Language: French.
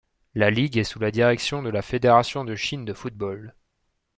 La ligue est sous la direction de la Fédération de Chine de football.